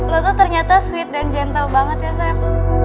lo tuh ternyata sweet dan gentle banget ya chef